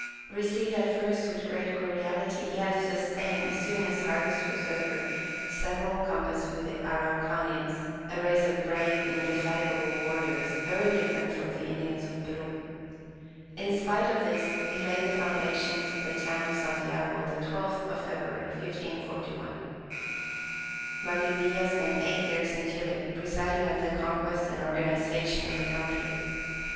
Received at first with great cordiality, he had to sustain, as soon as harvest was over, several combats with the Araucanians, a race of brave, indefatigable warriors, very different from the Indians of Peru. In spite of this, he laid the foundations of the town of Santiago on the 12th of February, 1541. Valdivia spent eight years in Chili, presiding over the conquest and organization of the country.